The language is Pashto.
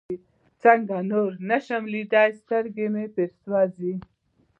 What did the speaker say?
ځکه نور نشم ليدلى سترګې مې پرې سوزي.